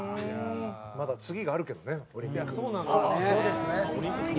「まだ次があるけどねオリンピック」